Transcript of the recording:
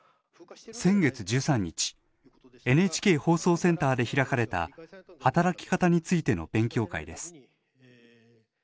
先月１３日ＮＨＫ放送センターで開かれた働き方についての勉強会です。